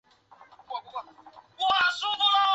那波尼德对古代文物研究有浓厚兴趣。